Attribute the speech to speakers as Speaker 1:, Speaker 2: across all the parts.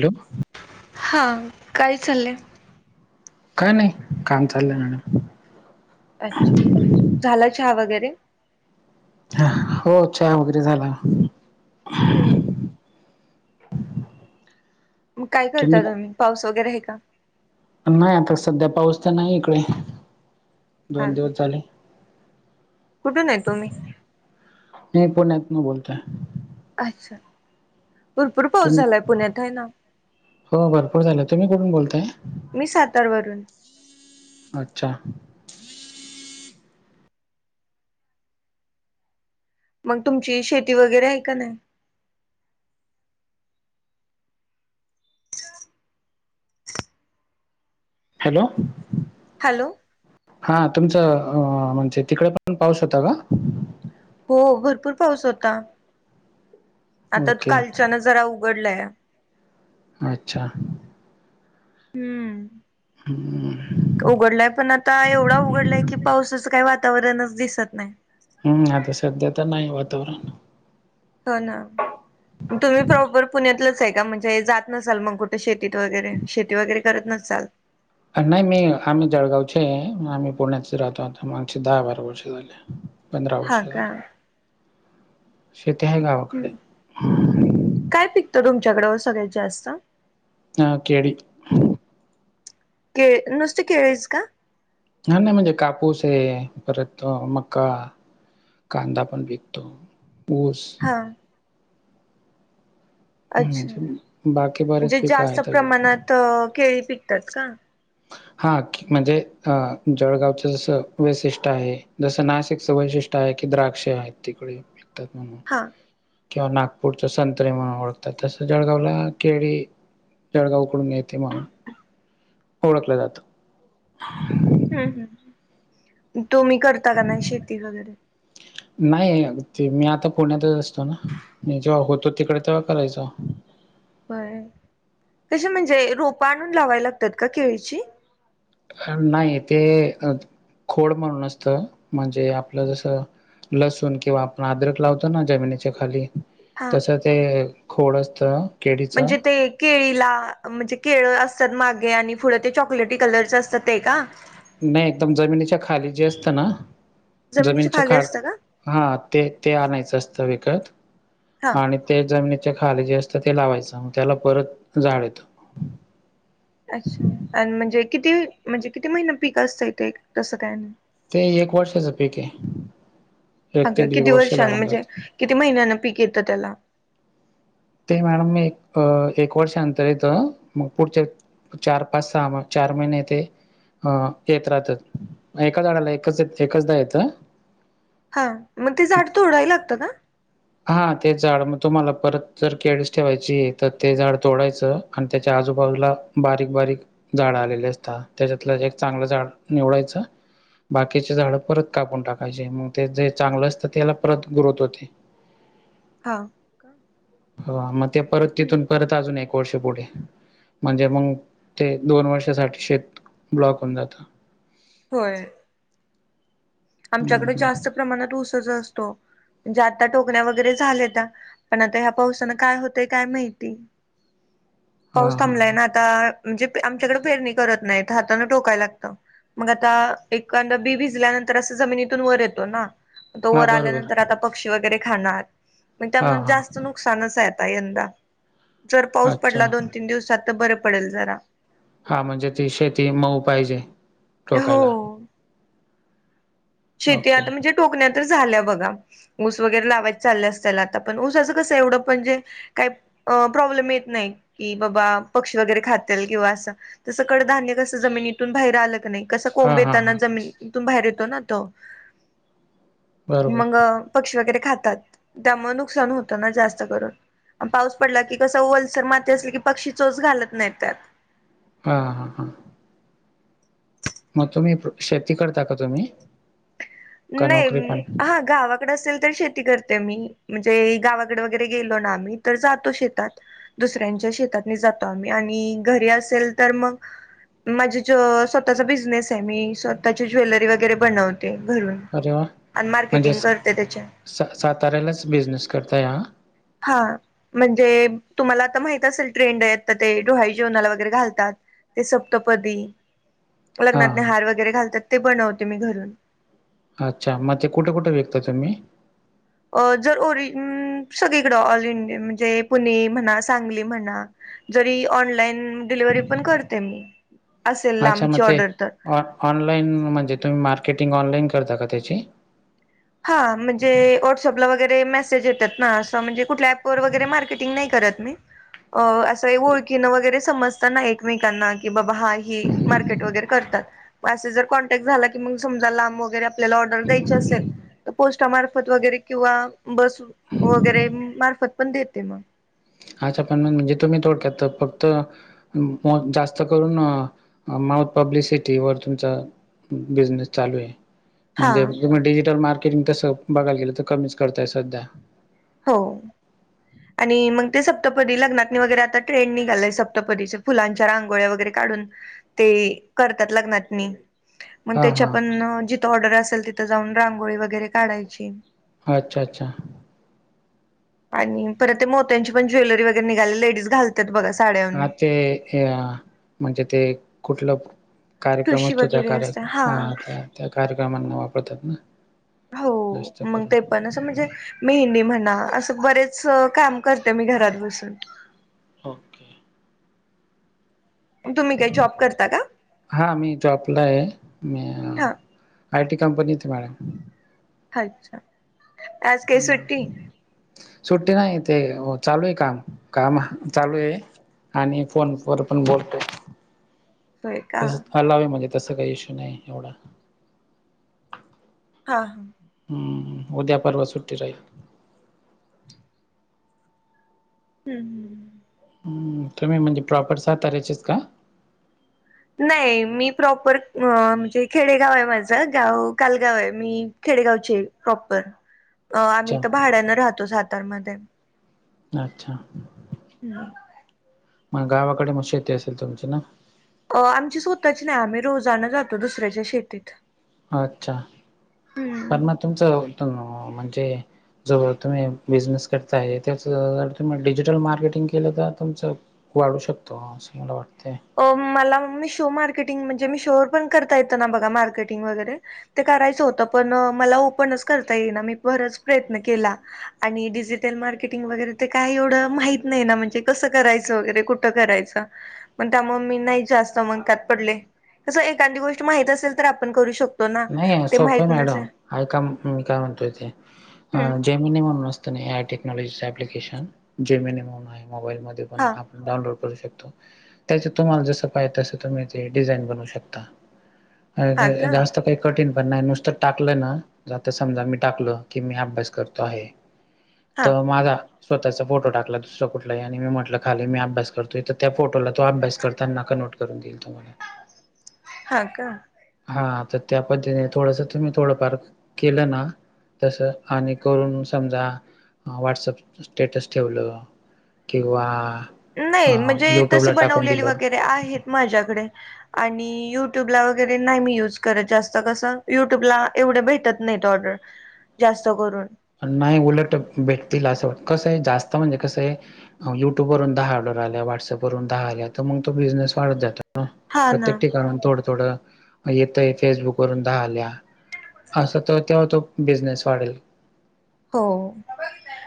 Speaker 1: Hello.
Speaker 2: हा, काय चाललंय?
Speaker 1: काय नाही, काम चाललंय.
Speaker 2: अच्छा. झालाय चहा वगैरे.
Speaker 1: हो चहा वगैरे झाला.
Speaker 2: हम्म. मग काय करता तुम्ही, पाऊस वगैरे आहे का?
Speaker 1: नाही आता सध्या पाऊस तर नाही इकडे. दोन दिवस
Speaker 2: चालतंय.
Speaker 1: झाले
Speaker 2: कुठून हाय तुम्ही?
Speaker 1: मी पुण्यातनं बोलतोय.
Speaker 2: अच्छा. भरपूर पाऊस
Speaker 1: तुम्ही
Speaker 2: झालाय पुण्यात होय ना?
Speaker 1: हो भरपूर झालं. तुम्ही कुठून बोलताय?
Speaker 2: मी सातारवरून.
Speaker 1: अच्छा.
Speaker 2: मग तुमची शेती वगैरे आहे काय नाही?
Speaker 1: हॅलो.
Speaker 2: हॅलो.
Speaker 1: हा तुमचं अ म्हणजे तिकडे पण पाऊस होता का?
Speaker 2: हो भरपूर पाऊस होता, आता
Speaker 1: ओके
Speaker 2: कालच्यान जरा उघडलाय.
Speaker 1: अच्छा
Speaker 2: हम्म
Speaker 1: हम्म.
Speaker 2: उघडलाय पण आता एवढा उघडलाय की पावसाचं काही वातावरणच दिसत नाही.
Speaker 1: हम्म आता सध्या तर नाही वातावरण.
Speaker 2: हो ना तुम्ही प्रॉपर पुण्यातलंच आहे का म्हणजे जात नसल मग कु शेतीत वगैरे शेती वगैरे करत नससाल.
Speaker 1: अ नाही मी आम्ही जळगावचे आम्ही पुण्याचे राहतो आता मागचे दहा बारा वर्ष झाले पंधरा
Speaker 2: हा
Speaker 1: वर्ष
Speaker 2: का
Speaker 1: झाले, शेती आहे गावाकडे.
Speaker 2: हम्म. काय पिकतं तुमच्याकडं सगळ्यात जास्त?
Speaker 1: हा केळी
Speaker 2: के नुसती केळेच का?
Speaker 1: नाय नाय म्हणजे कापूस आहे परत अ मक्का कांदा पण विकतो ऊस
Speaker 2: हा अच्छा
Speaker 1: म्हणजे बाकी बरेच
Speaker 2: म्हणजे
Speaker 1: पिकं
Speaker 2: जास्त
Speaker 1: आहेत अजून
Speaker 2: प्रमाणात अ केळी पिकतात का?
Speaker 1: हा म्हणजे अ जळगावच जसं वैशिष्ट्य आहे जसं नाशिकचं वैशि टाय की द्राक्ष आहेत तिकडे विकतात म्हणून.
Speaker 2: हा
Speaker 1: किंवा नागपूरचा संत्रे म्हणून ओळखतात तसं जळगावला केळी जळगावकडून येते म्हणून. ओळखलं जातं. ह [inaudible]
Speaker 2: हम्म तुम्ही करता का नाय शेती वगैरे?
Speaker 1: नाही अगं ते मी आता पुण्यातच असतो ना. मी जेव्हा होतो तिकडे तेव्हा करायचा.
Speaker 2: बरं कशी म्हणजे रोपा आणून लावायला लागतात का केळीची?
Speaker 1: नाही ते खोड म्हणून असत म्हणजे आपलं जसं लसूण किंवा आपण अद्रक लावतो ना जमिनीच्या खाली
Speaker 2: हा
Speaker 1: तसं ते खोड असतं केळीचं
Speaker 2: म्हणजे ते केळीला म्हणजे केळं असतात मागे आणि पुढं ते चॉकलेटी कलरचा असतात ते का?
Speaker 1: नाही एकदम जमिनीच्या खाली जे असतं ना जमिनीच्या
Speaker 2: खाली
Speaker 1: खा
Speaker 2: असतं का
Speaker 1: हा ते ते आणायचं असतं विकत
Speaker 2: हा
Speaker 1: आणि ते जमनीत चा जे खाली जे असतं ते लावायचं मग त्याला परत झाड येतो.
Speaker 2: अच्छा आणि म्हणजे किती म्हणजे किती महिना पीक असतं इथे तसं काय
Speaker 1: ते एक वर्षाचं पीक आहे. एक ते
Speaker 2: अगं
Speaker 1: दीड
Speaker 2: किती
Speaker 1: वर्ष
Speaker 2: वर्षांनं
Speaker 1: लागून जातं
Speaker 2: म्हणजे किती महिन्यांनं पीक येतं त्याला?
Speaker 1: ते मॅडम मी अ एक वर्ष अंतर येत मग पुढच्या चार, पाच सहा म चार महिने ते हा येत राहतात एका झाडाला एकच च एकचदा येतं.
Speaker 2: हा मग ते झाड तोडाय लागतं का?
Speaker 1: हा ते झाड मग तुम्हाला परत जर केळीस ठेवायची तर ते झाड तोडायचं आणि त्याच्या आजूबाजूला बारीक बारीक झाड आलेले असता त्याच्यातलं एक चांगलं झाड निवडायचा बाकीचे झाड परत कापून टाकायचे मग ते जे चांगलं असतं त्याला परत ग्रोथ होते
Speaker 2: हा.
Speaker 1: हो हा मग ते परत तिथून परत अजून एक वर्ष पुढे. म्हणजे मंग ते दोन वर्षासाठी शेत ब्लॉक होऊन जातं.
Speaker 2: होय. आमच्याकडे जास्त प्रमाणात ऊसच असतो. जे आता टोकण्या वगैरे झाल्या त्या पण आता ह्या पावसाना काय होतय काय माहिती.
Speaker 1: ह [inaudible]
Speaker 2: पाऊस थांबलाय ना आता म्हणजे पे आमच्याकडे पेरणी करत नाहीत हातानं टोकाय लागतं. मग आता एकांद बी भिजल्यानंत तर असं जमिनीतून वर येतो ना, तो वर
Speaker 1: बरोबर
Speaker 2: आल्यानंतर आता पक्षी वगैरे खाणार. मग
Speaker 1: हा
Speaker 2: त्यामुळं
Speaker 1: हा
Speaker 2: जास्त नुकसानच आहे आता यंदा. जर पाऊस
Speaker 1: अच्छा
Speaker 2: पडला दोन तीन दिवसात तर बरं पडेल जरा.
Speaker 1: हा म्हणजे ती शेती मऊ पाहिजे
Speaker 2: हो
Speaker 1: टोकायला.
Speaker 2: शेती
Speaker 1: ओके
Speaker 2: आता म्हणजे टोकण्या तर झाल्या बघा. ऊस वगैरे लावायच चालले असतेल आता, पण ऊस असं कसं एवढं पण जे काही अ प्रॉब्लेम येत नाही, की बाबा पक्षी वगैरे खातील किंवा असं. तस कडधान्य कसं जमिनीतून बाहेर आलं क नाही कसं
Speaker 1: हा
Speaker 2: कोंब
Speaker 1: हा
Speaker 2: येता ना
Speaker 1: हा
Speaker 2: जमिनीतून बाहेर येतो ना तो.
Speaker 1: बरोबर
Speaker 2: मग पक्षी वगैरे खातात त्यामुळे नुकसान होतं ना जास्त करून. आणि पाऊस पडला की कस ओलसर माती असली की पक्षी चोच घालत नाही त्यात.
Speaker 1: हा, हा, हा. मग तुम्ही शेती करता का तुम्ही? का नोकरी
Speaker 2: नाही
Speaker 1: पण
Speaker 2: हा गावाकडे असेल तर शे ती करते मी. म्हणजे गावाकडे वगैरे गेलो ना आम्ही तर जातो शेतात. दुसऱ्यांच्या शेतात जातो आम्ही आणि घरी असेल तर मग माझी जो स्वतःचा बिझनेस आहे. मी स्वतःची ज्वेलरी वगैरे बनवते घरून. आणि मार्केटिंग करते त्याच्या.
Speaker 1: स-साताऱ्यालाच बिझनेस करताय हा?
Speaker 2: हा म्हणजे तुम्हाला आता माहित असेल ट्रेंड आहे, तर ते डोहाळे जेवणाला वगैरे घालतात. ते सप्तपदी.
Speaker 1: हा
Speaker 2: लग्नातनी
Speaker 1: हा.
Speaker 2: हार वगैरे घालतात ते बनवते मी घरून.
Speaker 1: अच्छा, मग ते कुठे कुठे विकता तुम्ही?
Speaker 2: अ जर ओरि सगळीकडं ऑल इंडिया म्हणजे पुणे म्हणा, सांगली म्हणा. जरी ऑनलाइन डिलिव्हरी पण करते मी. असेल
Speaker 1: अच्छा मग
Speaker 2: लांबची
Speaker 1: ते
Speaker 2: ऑर्डर तर
Speaker 1: ऑ-ऑनलाईन म्हणजे तुम्ही मार्केटिंग ऑनलाईन करता का त्याची?
Speaker 2: हा म्हणजे व्हॉट्सअपला वगैरे मेसेज येतात ना असं म्हणजे कुठल्या ऍपवर वगैरे मार्केटिंग नाही करत मी. अ असं ओळखीनं वगैरे समजत ना एकमेकांना, की बाबा हा ही मार्केट वगैरे करतात‌. मग असे जर कॉन्टॅक्ट झाला, की मग समजा लांब वगैरे आपल्याला ऑर्डर द्यायची असेल. तर पोस्टामार्फत वगैरे किंवा बस वगैरे मार्फत पण देते मग.
Speaker 1: अच्छ पण म्हणजे तुम्ही थोडक्यात फक्त अं मग जास्त करून अं माऊथ पब्लिसिटीवर तुमचा बिझनेस चालू आहे.
Speaker 2: हा
Speaker 1: म्हणजे तुम्ही डिजिटल मार्केटिंग तसं बघायला गेलं तर कमीच करताय सध्या.
Speaker 2: हो. आणि मग ते सप्तपदी लग्नातनी वगरै आता ट्रेंड निघालाय सप्तपदीचे फुलांच्या रांगोळ्या वगैरे काढून ते करतात लग्नातनी. मग
Speaker 1: हा
Speaker 2: त्याच्या
Speaker 1: हा
Speaker 2: पण जिथं ऑर्डर असेल तिथं जाऊन रांगोळी वगैरे काढायची.
Speaker 1: अच्छा, अच्छा.
Speaker 2: आणि परत ते मोत्यांची पण ज्वेलरी वगैरे निघाले लेडीज घाल त्यात बघा साड्या
Speaker 1: आ ते हे अ म्हणजे ते कुठलं कार्यक्रम
Speaker 2: ठुशी
Speaker 1: असतो त्या
Speaker 2: वगैरे
Speaker 1: कार्य
Speaker 2: असते
Speaker 1: हा त्या त्या कार्यक्रमांना वापरतात ना.
Speaker 2: हो
Speaker 1: जास्त
Speaker 2: मग
Speaker 1: करून
Speaker 2: ते पण असं म्हणजे मेहंदी म्हणा असं बरेच काम करते मी घरात बसून.
Speaker 1: ओके
Speaker 2: तुम्ही काही जॉब करता का?
Speaker 1: हा मी जॉबला आहे, मी
Speaker 2: हा
Speaker 1: आय टी कंपनीत मॅडम.
Speaker 2: अच्छा. आज काही
Speaker 1: हम्म.
Speaker 2: सुट्टी
Speaker 1: सुट्टी नाही ते चालू आहे काम, काम चालू आहे. आणि फोनवर पण बोलतोय.
Speaker 2: होय का
Speaker 1: तसं
Speaker 2: हा
Speaker 1: हलावे म्हणजे तसं काही इशू नाही आहे एवढा.
Speaker 2: हा.
Speaker 1: हम्म उद्या, पर्वा सुट्टी राहील.
Speaker 2: हम्म हम्म.
Speaker 1: तुम्ही म्हणजे प्रॉपर साताऱ्याचेच का?
Speaker 2: नाही मी प्रॉपर म्हणजे खेडेगावं आहे माझा गावं कालगावं आहे मी खेडेगावंची आहे प्रॉपर.
Speaker 1: हो
Speaker 2: अ आम्ही इथं भाड्यानं राहतो सातारमध्ये.
Speaker 1: अच्छा
Speaker 2: [unintelligible]
Speaker 1: मग गावाकडे मग शेती असेल तुमची ना?
Speaker 2: अ आमची स्वतःची नाही आम्ही रोजाना जातो दुसऱ्याच्या शेतीत.
Speaker 1: अच्छा पर
Speaker 2: हम्म
Speaker 1: मग तुमचं तूम म्हणजे जो तुम्ही बिझनेस करता आहे त्याचा जर तुम्ही डिजिटल मार्केटिंग केलं तर तुमचं वाढू शकतो असं मला वाटतं.
Speaker 2: अ मला मी शो मार्केटिंग म्हणजे मी शोवर पण करता येताना बघा मार्केटिंग वगैरे ते करायचं होतं पण मला ओपणच करता येईना मी बरच प्रयत्न केला. आणि डिजिटल मार्केटिंग वगैरे ते काही एवढं माहित नाही ना म्हणजे कसं करायचं वगैरे कु ठं करायचा पण त्यामुळं मग मी नाही जास्त मणक्यात पडले तसं एखादी गोष्ट माहित असेल तर आपण करू शक
Speaker 1: नाहीय सोप्पं मॅडम ऐका मी काय म्हणतोय ते
Speaker 2: हम्म
Speaker 1: जेमिनी म्हणून असते न A I technology application Gemini म्हणून आहे मोबाईल मध्ये पण
Speaker 2: हा
Speaker 1: ऐप डाउनलोड करु शकतो त्याचात तुम्हाला जसं पाहिजे तसं तुम्ही ते डिझाईन बनवू शकता आणि
Speaker 2: हा
Speaker 1: ते
Speaker 2: का
Speaker 1: जास् त काही कठीण पण नाही नुसतं टाकलं ना आता समजा मी टाकलं की मी अभ्यास करतो आहे
Speaker 2: हा
Speaker 1: तर माझा स्वतःचा फोटो टाकला दुसरा कुठला आणि मी म्हटलं खाली मी अभ्यास करतो तर त्या फोटोला तो अभ्यास करताना क नोट करून देईल तुम्हाला.
Speaker 2: हा का?
Speaker 1: हा तर त्या पद्धतीने थोडसा तुम्ही थोडंफार केलं ना तसं आणि करून समजा व्हॉटसअप स्टेटस ठेवलं केिंवा
Speaker 2: नाही म्हणजे तसे बनवलेली वगैरे आहेत माझ्याकडे आणि युट्यूबला वगैरे नाही मी युज करत जास्त कसं युट्यूबला एवढे भेटत नाहीत ऑर्डर जास्त करून.
Speaker 1: नाही उलट भेटतील असं वाटत कसं आहे जास्त म्हणजे कसं आहे युट्यूबवरुन दहा ऑर्डर आल्या, व्हाट्सअपवरून दहा आल्या तर मग तो बिझनेस वाढत जातो.
Speaker 2: हा ना
Speaker 1: प्रत्येक ठिकाणून थोडं थोडं मग येतय फेसबुकवरून दहा आल्या. असं तर तेव्हा तो बिझनेस वाढेल.
Speaker 2: हो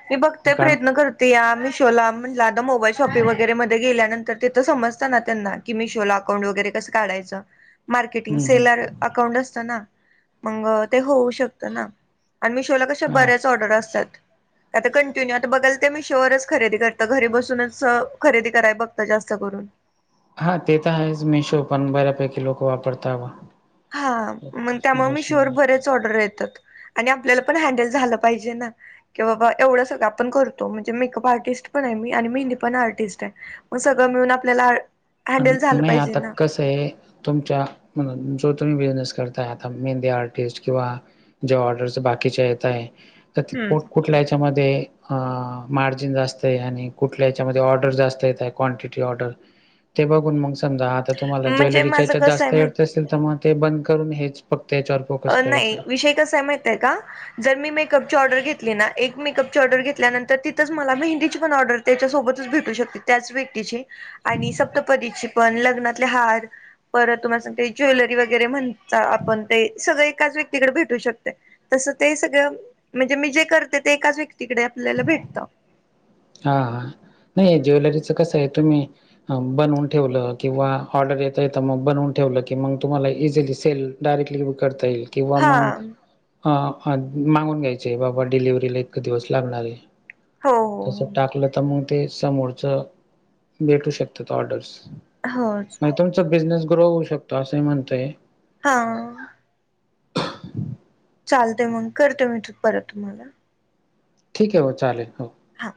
Speaker 2: मी बघतेय
Speaker 1: कारण
Speaker 2: प्रयत्न करते या मिशोला म्हटलं आता मोबाईल शॉपिंग वगैरेमध्ये गेल्यानंतर तिथं समजत ना त्यांना की मिशोला अकाउंट वगैरे कसं काढायचं. मार्केटिंग
Speaker 1: हम्म हम्म
Speaker 2: सेलर अकाउंट असत ना, मग ते होऊ शकत ना आणि मीशोला कशा
Speaker 1: हा
Speaker 2: बऱ्याच चा ऑर्डर असत्यात. आता कंटिन्यू आता बघल ते मीशोवच खरेदी करतं घरी बसूनच खरेदी कराय बघतं जास्त करून.
Speaker 1: हा ते तर आहे मिशो पण बऱ्यापैकी लोकं वापरताव.
Speaker 2: हा मंग त्यामुळे मिशोवर बरे च ओडर येतात आणि आपल्याला पण हँडल झालं पाहिजे ना. कि बाबा एवढं सगळं आपण करतो म्हणजे मेकअप आर्टिस्ट पण आहे मी आणि मेहंदी पण आर्टिस्ट आहे. मग सगळं मिळून आपल्याला हँडल झालं पाहिजे ना.
Speaker 1: ते तुमच्या म्ह जो तुम्ही बिझनेस करताय आता मेहंदी आर्टिस्ट किंवा ज्या ऑर्डरस बाकीच्या येत आहे तर
Speaker 2: हम्म
Speaker 1: कुठल्या याच्यामध्ये हा मार्जिन जास्त आहे आणि कुठल्या याच्यामध्ये ऑर्डर जास्त येत आहे क्वांटिटी ऑर्डर ते बघून मग समजा आता तुम्हाला
Speaker 2: म्हणजे
Speaker 1: ज्वेलरीच्या
Speaker 2: माझं
Speaker 1: येचात
Speaker 2: कसं
Speaker 1: जास्त
Speaker 2: आहे माहित
Speaker 1: [unintelligible] तर मग ते बंद करून हेच फक्त हेच्यावर
Speaker 2: अ नाही विषय कसा आहे माहितीये आहे का? जर मी मेकअपची ऑर्डर घेतली ना, एक मेकअपची ऑर्डर घेतल्यानंतर तिथंच मला मेंहदीची पण ऑर्डर त्याच्यासोबतच भेटू शकते. त्याच व्यक्तीची आणि सप्तपदीची पण लग्नातले हार, परत तुम्हाला सांगते ज्वेलरी वगैरे म्हणता आपण ते सगळं एकाच व्यक्तीकडे भेटू शकते. तसं ते सगळं म्हणजे मी जे करते ते एकाच व्यक्ती तिकडे आपल्याला भेटतं.
Speaker 1: हा, हा. नाही ज्वेलरीचं कसं आहे तुम्ही बनवून ठेवल किंवा ऑर्डर येता येत मग बनवून ठेवलं की मग, तुम्हाला इझिलीे सेल डायरेक्टली मग करता येईल. किंवा मग
Speaker 2: हां.
Speaker 1: अ अ मागून घ्यायचे आहे बाबा डिलिवरीला इतके दिवस लागणार आहे.
Speaker 2: हो, हो,
Speaker 1: तस टाकलं तर मग ते समोरच भेटू शकतात ऑर्डर्स.
Speaker 2: हो.
Speaker 1: तसं बिझनेस ग्रो होऊ शकतो असे मी म्हणतोय.
Speaker 2: हा. चालते मग करते मी तू परत तुम्हाला.
Speaker 1: ठीक आहे हो चालेल हो.
Speaker 2: हा.